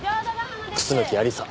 楠木亜理紗。